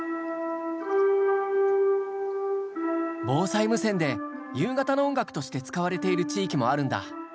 防災無線で夕方の音楽として使われている地域もあるんだ。